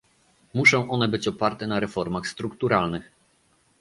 Muszą one być oparte na reformach strukturalnych